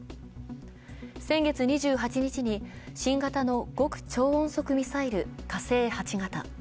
先月２８日に新型の極超音速ミサイル、火星８型。